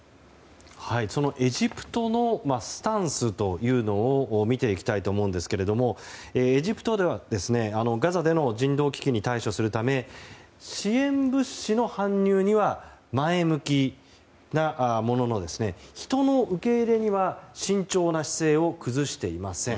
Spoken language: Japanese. そのエジプトのスタンスを見ていきたいと思いますがエジプトではガザでの人道危機に対処するため支援物資の搬入には前向きなものの人の受け入れには慎重な姿勢を崩していません。